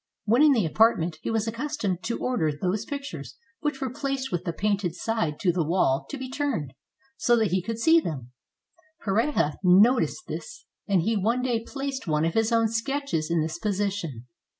When in the apartment, he was accus tomed to order those pictures which were placed with the painted side to the wall to be turned, so that he could see them. Pareja noticed this; and he one day placed one of his own sketches in this position.